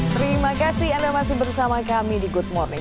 terima kasih anda masih bersama kami di good morning